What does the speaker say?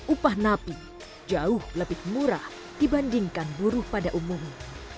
upah napi jauh lebih murah dibandingkan buruh pada umumnya